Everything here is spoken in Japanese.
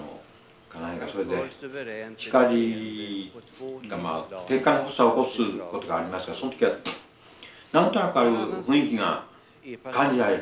家内がそれで光がてんかん発作を起こすことがありますからその時は何となくああいう雰囲気が感じられるんです。